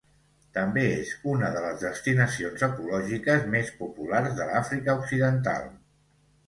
També és una de les destinacions ecològiques més populars de l'Àfrica Occidental.